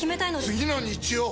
次の日曜！